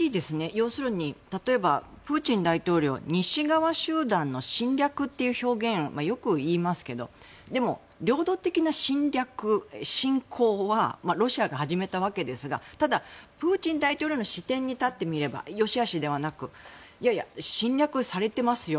要するに例えばプーチン大統領は西側集団の侵略という表現をよく言いますけどでも、領土的な侵略・侵攻はロシアが始めたわけですがただ、プーチン大統領の視点に立ってみればよしあしではなくいやいや、侵略されてますよ